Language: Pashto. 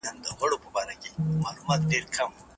ښه خوب ورځ اسانه کوي.